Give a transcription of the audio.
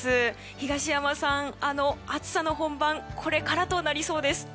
東山さん、暑さの本番これからとなりそうです。